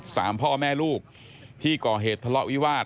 พ่อแม่ลูกที่ก่อเหตุทะเลาะวิวาส